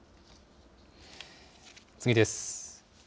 次です。